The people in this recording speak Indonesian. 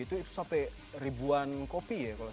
itu sampai ribuan kopi ya kalau